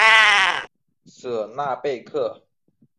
舍纳贝克。